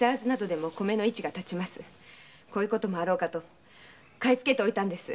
こういうこともあろうかと買いつけておいたんです。